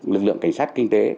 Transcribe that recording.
lực lượng cảnh sát kinh tế